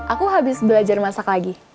aku habis belajar masak lagi